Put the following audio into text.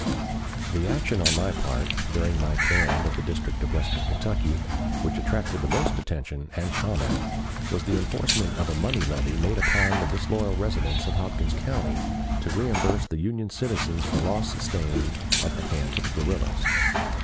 The action on my part, during my command of the district of western Kentucky, which attracted the most attention and comment, was the enforcement of a money levy made upon the disloyal residents of Hopkins County to reimburse the Union citizens for losses sustained at the hands of the guerrillas.